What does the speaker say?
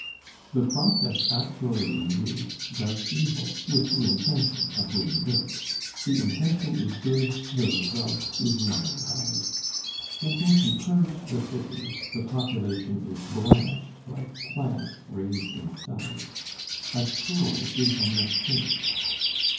The process actually in use does evil, with the intention of doing good. The intention is good, the result is melancholy. Thinking to purge the city, the population is blanched like plants raised in cellars. A sewer is a mistake.